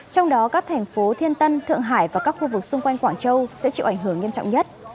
trong đó các thành phố thiên tân thượng hải và các khu vực xung quanh quảng châu sẽ chịu ảnh hưởng nghiêm trọng nhất